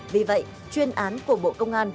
vì vậy chuyên án của bộ công an